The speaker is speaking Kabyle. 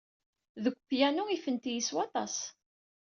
Deg upyanu, ifent-iyi s waṭas.